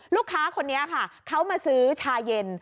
ลูกค้าคนนี้ค่ะเขามาซื้อชาเย็น